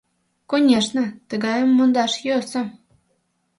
Конешне, тыгайым мондаш йӧсӧ.